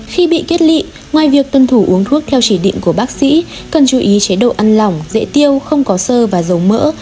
khi bị kết lị ngoài việc tuân thủ uống thuốc theo chỉ định của bác sĩ cần chú ý chế độ ăn lỏng dễ tiêu không có sơ và dầu mỡ